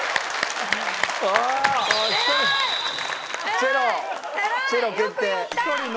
チェロ決定。